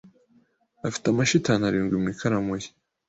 Afite amashitani arindwi mu ikaramu ye